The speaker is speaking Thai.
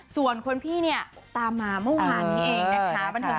ส่วนคนพี่เนี่ยตามมาเมื่อวานนี้เองนะคะ